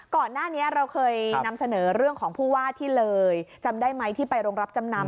ก่อนหน้านี้เราเคยนำเสนอเรื่องของผู้ว่าที่เลยจำได้ไหมที่ไปโรงรับจำนำ